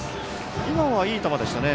今はいい球でしたね。